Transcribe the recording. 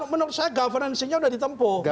menurut saya governansinya sudah ditempuh